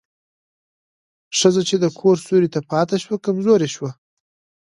او ښځه چې د کور سيوري ته پاتې شوه، کمزورې شوه.